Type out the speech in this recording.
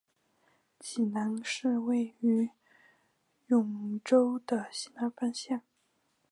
济宁市位于兖州的西南方向。